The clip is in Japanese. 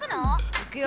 いくよ！